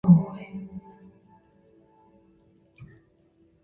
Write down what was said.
那罗波帝在实皆建立的睹波焰佛塔有碑铭描述了此事。